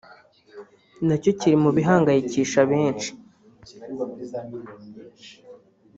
nacyo kiri mu bihangayikisha benshi